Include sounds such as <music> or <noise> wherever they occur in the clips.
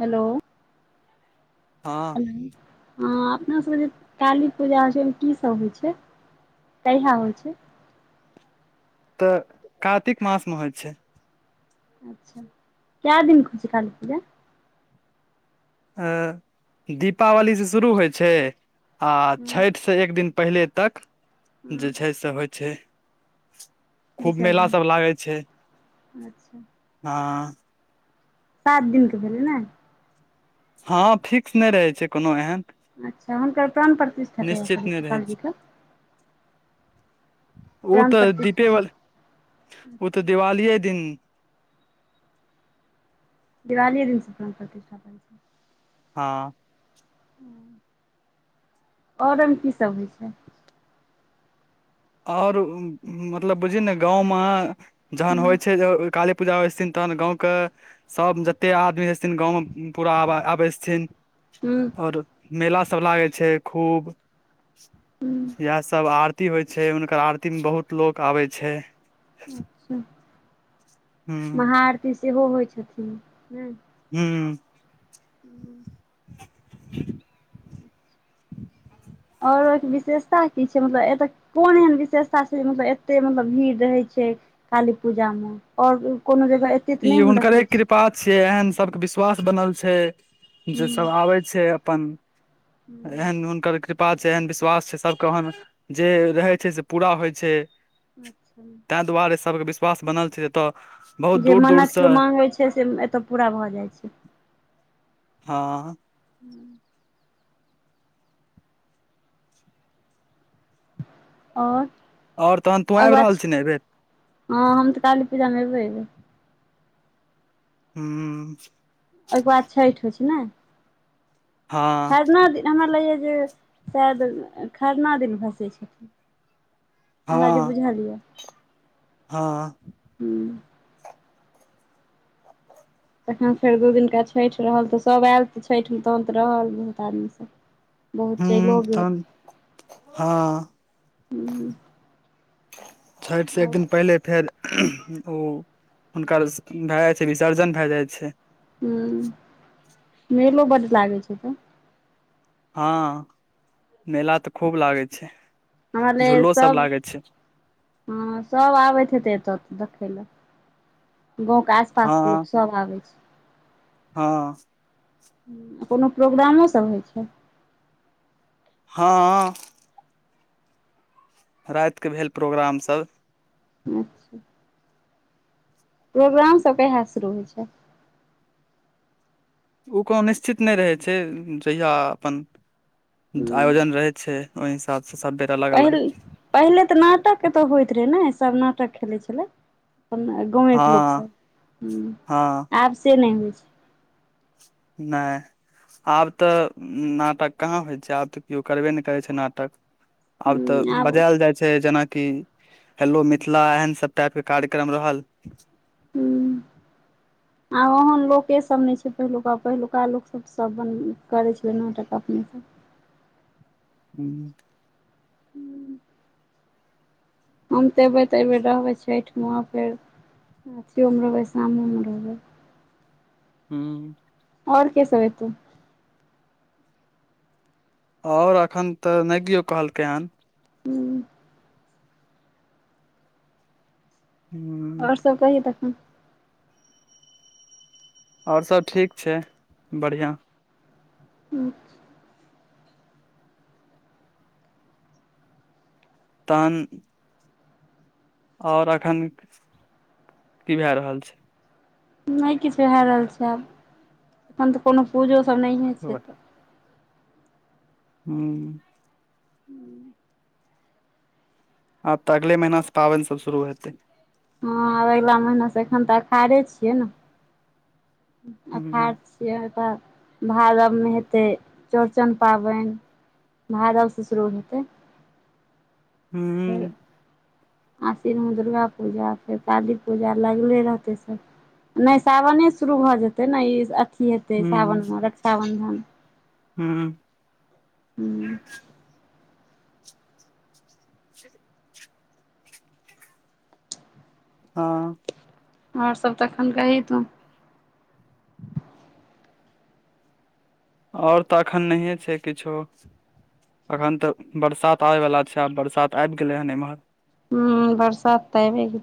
Hello हँ हो हँ अपनासभके जे काली पूजा होइ छै ओहिमे की सब होइ छै कहिया होइ छै तऽ कारातिक मास मे होइ छै अच्छा कैय दिन कऽ होय छैय काली पूजा दीपावली से शुरू होइ छै आ छेठ से एक दिन पहिले तक जे छै से होइ छै खूब मेला विसर्जन सब लागै छै अच्छा हँ सात दिनके भेलै नऽ हँ फिक्स नहि रहै छै कोनो एहन अच्छा हुनकर प्राण प्रतिष्ठाे कहिया निश्चित करे नहि रहै छै छिय <unintelligible> ओ प्राण तऽ प्रतिष्ठा दीपेवली ओ तऽ दिवालीए दिन दिवालीे दिन से प्राण प्रतिष्ठा <unintelligible> हँ ओर ओमय की सब होइ छै ओर मतलब बुझिय ने गाँंव मे जहन हूँ होइ छै काली पूजा होइ छथिन तहन गाँवके सभ जते आदमी रहे छथिन गाँवमे पूरा आ आबै छथिन हूँ ओर मेला सभ लागै छै खूब हूँ इएह सब आरती होइ छै हुनकर आरतीमे बहुत लोक आबै छै अच्छा हूं महा आरती सेहो होइ छथिन नऽ हू हू ओर ओहिके विशेषता की छै मतलब एतय कोन एहन विशेषता छै मतलब एते मतलब भीड़ रहै छै काली पूजामे ओर कोनो जगह तऽ ई नहि हम हुनकरे देखै छियै कृपा छिय एहन सबके विश्वास बनल छै जे सब हूँ आबै छै अपन एहन हुनकर कृपा कृपा छै एहन विश्वास छै सभके ओहमे जे रहै छै से पूरा होइ छै अच्छा ताहि दुआरे सभके विश्वास बनल छै जतऽ जे मन्नत केओ माँग होैत छै से एतय पूरा भऽ जाइ छै हँ हूँ और ओर तहन तू आबि रहल छी ने एहिबेर हँ हम तऽ काली पूजामे अयबै हू ओहिके बाद छइठ होइ छै ने हँ खरना दिन हमरा लगैए जे शायद खरना दिन भसै छैय हमरा जे हँ बुझल या हँ हूँ तखन फेर दू दिनका छइठ रहल तऽ सभ आयल तऽ छठिमे तुरन्त रहल बहुत आदमी सभ हू तहन हँ हुँ छाइठ से एक दिन पहिले फेर ओ हुनकर भए जाइ छै विसर्जन भए जाइ छै हू मेलो बड लागै छै तऽ हँ मेला तऽ खूब लागै छै हमलगे यऽ झूलो सब लागै छै हँ सब आबैत हेते एतऽ देखय लए गाँवके आस पास हँ के लोक सब आबै छै हँ कोनो प्रोग्रामो सब होइ छै हँ रातिके भेल प्रोग्राम सब अच्छा प्रोग्राम सभ कहिया सऽ शुरू होइ छै ओ कोनो निश्चित नहि रहै छै जहिया अपन हुँ आयोजन रहै छै ओहि हिसाब सऽ सब बेर अलग पहिल अलग पहिले तऽ नाटक एतऽ होइत रहे नऽ सब नाटक खेलैत छलै हँ गाँवेके लोक सब हू हँ आब से नहि होइ छै नैह आब तऽ नाटक कहाँ होइ छै आब तऽ केओ करबे नहि करैत छइ नाटक आब तऽ ह आब बजायल जाइत छै जेनाकि हेलो मिथिला एहन सब टाइपके कार्यक्रम रहल हू <unintelligible> ओहेन लोक सब ने छै पहिलुका पहिलुका लोक सब सब करे छै नाटक अपने सब हू हूँ हम तऽ अबै तऽ एबेर रहबै छठिमे फेर अथओमे रहबै शामोमे रहबै हू आओर के सब अतो ओर एखन तऽ नहि कियओ कहलकै हन हूँ हू आओर सब कहि तखन आओर सब ठीक छै बढ़िआँ अच्छा तहन और एखन कि भए रहल छै नहि किछ भए रहल छै आब एखन तऽ कोनो पूजो सभ नहि छै ह तऽ हू। हू। आब तऽ अगले महीनासँ पाबेन सभ शुरू हेतै ह अगिला महीनासँ एखन तऽ अखाड़े छियै ने ह अखाढ़ छियै ओकेवाद भादवमे हेतै चौड़चन पाबेन भादवसँ शुरू हेतै। हू। हेलो आशिनमे दुर्गा पूजा फेर काली पूजा लगले रहते सभ नहि सावनेसँ शुरू भऽ जेतै ने ई अथी हेतै ह सावन मे रक्षाबन्धन हू ह ह आओर सभ तखन कही तू ओर तऽ एखन नहिए छै किछो अखन तऽ बरसात आबय वाला छै आ बरसात आबि गेले हेन एमहर। हू बरसात तऽ आबे गेल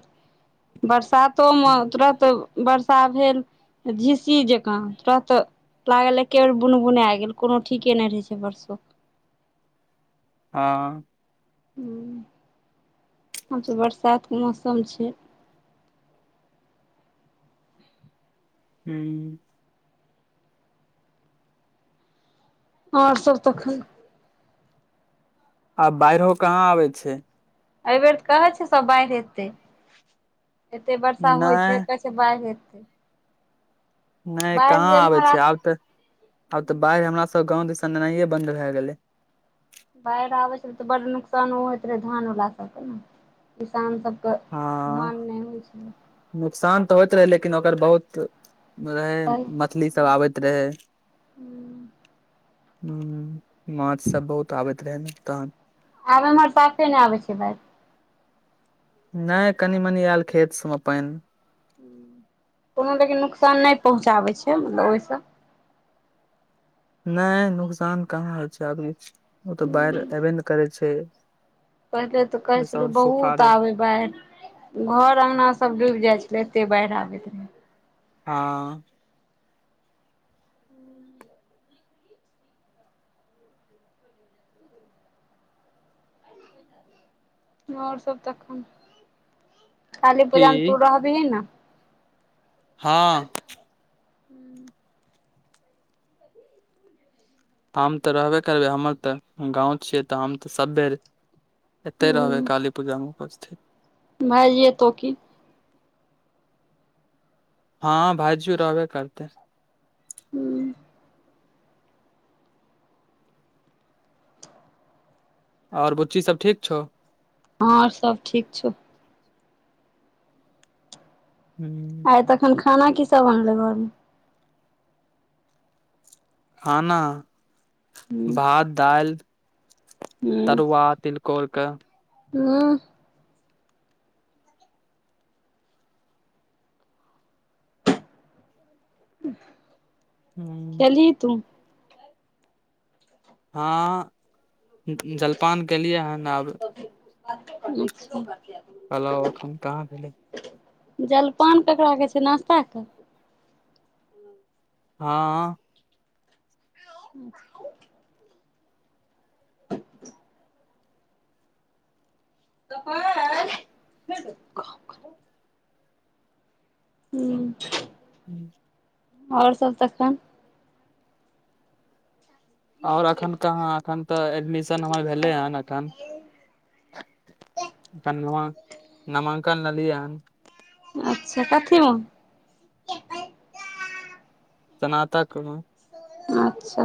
बरसातोमे तुरत वर्षा भेल झिस्सी जका तुरत लागल एकेबेर बुन बुनाय गेल कोनो ठीके नहि रहै छै बरसो क ह ह आब त बरसातके मौसम छै ह आओर सभ तखन आब बाइढ़ो कहा आबे छै एहिबेर तऽ कहै छै सभ बाढ़ि एतइ एते बर्षा होइ नहि छै से बाढ़ि एतइ। नहि कहाँ आबै जेम्हर छइ आब तऽ आब तऽ बाढ़ि हमरा सभ गाव दिसन एनाये बन्द भए गेलै बाढ़ि आबैत छल तऽ बड़ नुकसानो होइत रहै धानवला सभके ने किसानसभके धान हँ नहि होई छै नुकसान तऽ होइत रहै लेकिन ओकर बहुत रहै कही मछलीसभ आबैत रहे ह माछ सभ बहुत आबैत रहे तहन आब हमर पासे नहि आबै छै बई नहि कनि मनी आयल खेत सभमे पानि कोनो तरके नुकसान नहि पहुँचाबै छै मतलब ओहिस नहि नुकसान कहा होइ छै आब ओ तऽ बाढ़ि एबे ने करै छै पहिले तऽ कहे ओहिसँ छलू आओर बहुत सुखाड़े आबे बाढ़ घर अंगना सभ डूबि जाय छले एते बाढ़ि आबैत रहे ह आओर सभ तखन काली की पूजा मे तू रहबिही ने ह हम तऽ रहबे करबै हमर तऽ गाव छियै तऽ हम तऽ सभ बेर एते रहबै काली पूजा मे उपस्थित भएजिय तो कि हँ भाइजीयो रहबे करतै हूँ ओर बुच्ची सब ठीक छौ हँ ओर सब ठीक छौ हूँ आइ तखन खाना की सब बनले घरमे खाना ह भात दाइल तरुआ तिलको कोर कऽ हँ हँ खेलही तू हँ जलपान केलियै हन आब अच्छा कलाउ एखन कहाँ भेलै जलपान ककरा कहै छै नाश्ताे कऽ हँ <inaudible> <inaudible> <inaudible> हूँ <inaudible> ओर सब तखन ओर एखन कहाँ एखन तऽ एडमिशन हमर भेले हन एखन <unintelligible> नामंकन ल लिए हन अच्छा कथिमे स्नातक मे अच्छा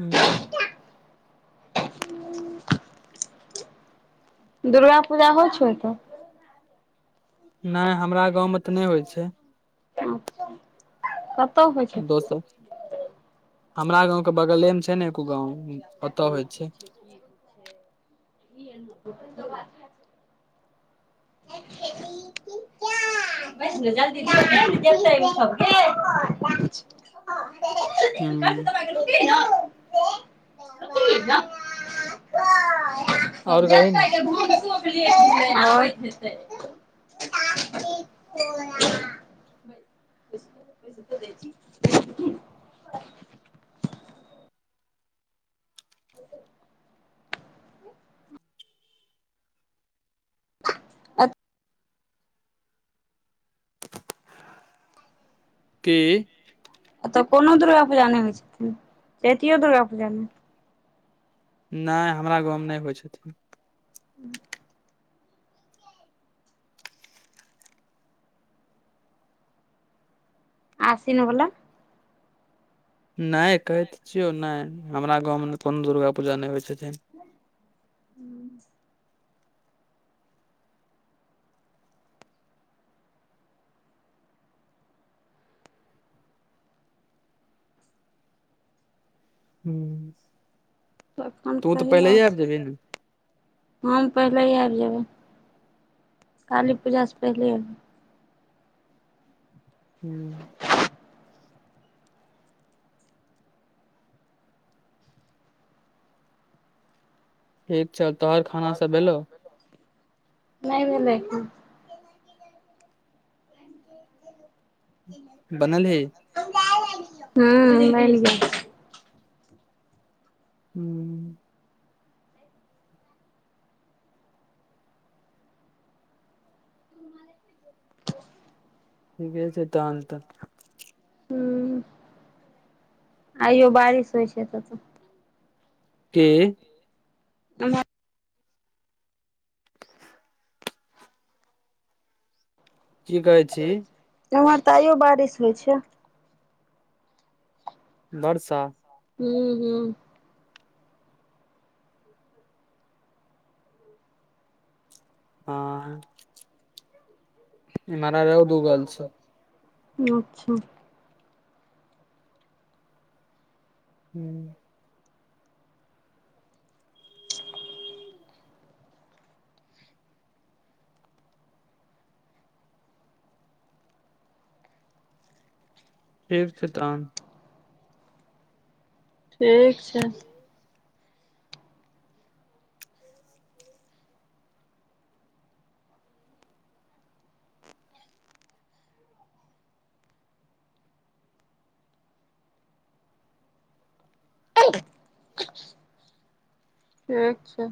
हूँ दुर्गा पूजा होइ छौ ओत नय हमरा गाँवमे तऽ नय होइ छै अच्छा, <inaudible> दोसर हमरा गाँवके बगलेमे छै ने एको गाँंव <inaudible> <inaudible> <inaudible> <inaudible> कान हम्म <inaudible> आओर कही ने <inaudible> <inaudible> <inaudible> कि एतय कोनो दुर्गा पूजा नइ होइ छथिन चैतियो दुर्गा पूजा नइ नय हमरा गाँवमे नय होइ छथिन <inaudible> आसीन वला नहि कहैतऽ छियौ नहि हमरा गावमे ने कोनो दुर्गा पूजा नहि होइ छथिन ह् हूँ। तखन कहहि आ जेबही ने हम पहिले आबि जेबे काली पूजासँ पहिलेबै हू। ठीक छै तऽ नहि मे बनलही हु बैनगेल ह ठीके छै तहन त ह आइयो बारिश होइ छै तऽ कि ह <unintelligible> कि कहै छी उम्हर तऽ आइयो बारिश होई छै वर्षा। हू ह आ। मरानै रौद उगल छै अच्छा। ह ठीक छै तहन। ठीक छै। एक <unintelligible> ठीक छै।